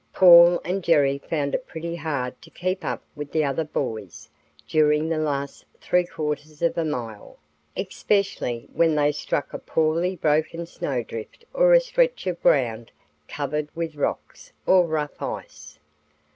Paul and Jerry found it pretty hard to keep up with the other boys during the last three quarters of a mile, especially when they struck a poorly broken snowdrift or a stretch of ground covered with rocks or rough ice.